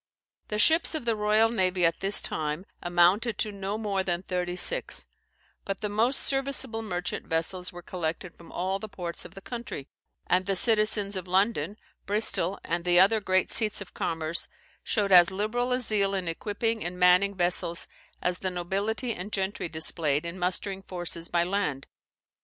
The ships of the royal navy at this time amounted to no more than thirty six; but the most serviceable merchant vessels were collected from all the ports of the country; and the citizens of London, Bristol, and the other great seats of commerce, showed as liberal a zeal in equipping and manning vessels as the nobility and gentry displayed in mustering forces by land.